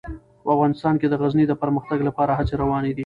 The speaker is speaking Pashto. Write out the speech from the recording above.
په افغانستان کې د غزني د پرمختګ لپاره هڅې روانې دي.